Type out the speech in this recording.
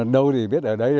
đâu thì biết ở đấy